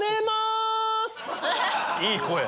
いい声。